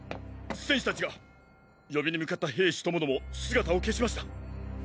戦士たちが呼びに向かった兵士ともども姿を消しました！！